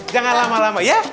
jangan lama lama ya